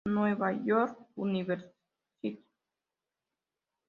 New York University.